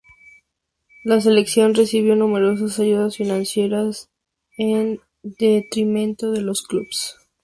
La selección recibió numerosas ayudas financieras en detrimento de los clubs.